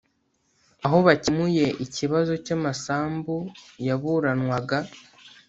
aho bakemuye ikibazo cy’amasambu yaburanwaga